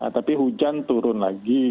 tapi hujan turun lagi